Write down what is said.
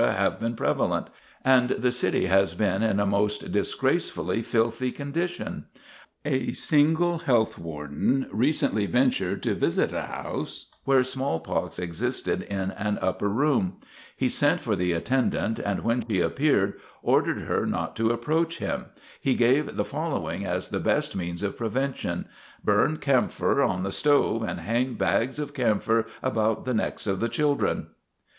have been prevalent, and the city has been in a most disgracefully filthy condition. A single health warden recently ventured to visit a house where smallpox existed in an upper room; he sent for the attendant, and when she appeared, ordering her not to approach him, he gave the following as the best means of prevention: "Burn camphor on the stove, and hang bags of camphor about the necks of the children."